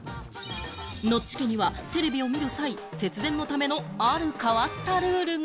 ノッチ家にはテレビを見る際、節電のためのある変わったルールが。